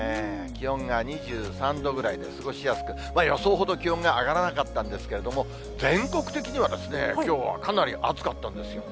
気温が２３度ぐらいで過ごしやすく、予想ほど気温が上がらなかったんですけれども、全国的には、きょうはかなり暑かったんですよ。